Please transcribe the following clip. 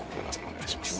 お願いします。